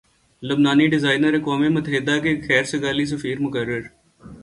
لبنانی designer اقوام متحدہ کے خیر سگالی سفیر مقرر